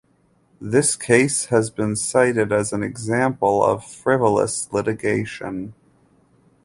This case has been cited as an example of frivolous litigation.